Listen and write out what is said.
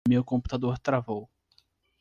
Meu computador travou.